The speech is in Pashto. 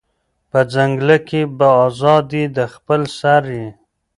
په ځنگله کی به آزاد یې د خپل سر یې